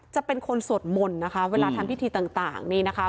จะเป็นคนสวดมนต์นะคะเวลาทำพิธีต่างนี่นะคะ